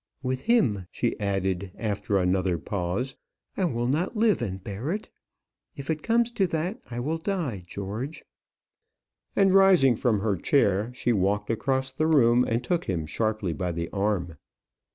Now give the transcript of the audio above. With him," she added, after another pause, "I will not live and bear it. If it comes to that, I will die, George;" and rising from her chair, she walked across the room, and took him sharply by the arm.